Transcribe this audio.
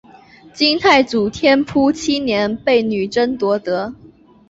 金太祖天辅七年被女真夺得。